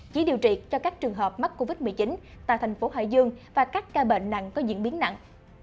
chỉ điều trị cho các trường hợp mắc covid một mươi chín tại thành phố hải dương và các ca bệnh nặng có diễn biến nặng